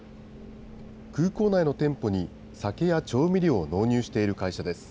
空港内の店舗に酒や調味料を納入している会社です。